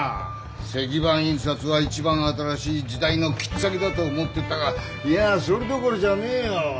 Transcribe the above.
石版印刷は一番新しい時代の切っ先だと思ってたがいやそれどころじゃねえよ！